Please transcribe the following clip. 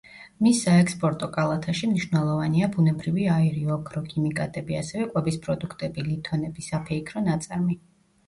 მის საექსპორტო კალათაში მნიშვნელოვანია ბუნებრივი აირი, ოქრო, ქიმიკატები, ასევე კვების პროდუქტები, ლითონები, საფეიქრო ნაწარმი.